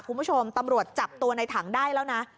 คุณผู้ชมตำรวจจับตัวในถังได้แล้วนะ